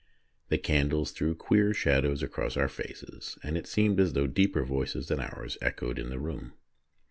The candles threw queer shadows across our faces, and it seemed as though deeper voices than ours echoed in the room.